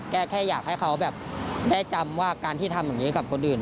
แค่อยากให้เขาแบบได้จำว่าการที่ทำอย่างนี้กับคนอื่น